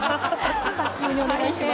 早急にお願いします。